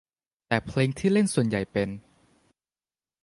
แต่เพลงที่เล่นส่วนใหญ่เป็น